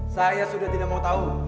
saya sudah tidak mau tahu